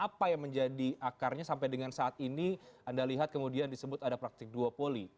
apa yang menjadi akarnya sampai dengan saat ini anda lihat kemudian disebut ada praktik duopoli